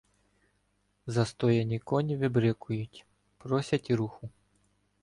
Застояні коні вибрикують, просять руху.